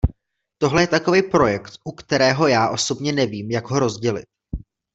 Tohle je takovej projekt, u kterého já osobně nevím, jak ho rozdělit.